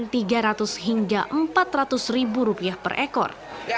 kambing madura berharga sekitar tiga ratus hingga empat ratus ribu rupiah per ekor